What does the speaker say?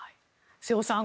瀬尾さん